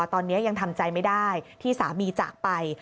ตอนนี้ยังทำใจไม่ได้ที่สามีจากไป